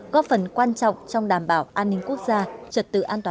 góp phần quan trọng trong đảm bảo an ninh quốc gia